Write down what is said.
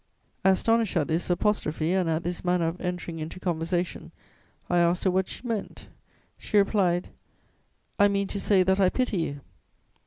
"Astonished at this apostrophe and at this manner of entering into conversation, I asked her what she meant. She replied: "'I mean to say that I pity you.'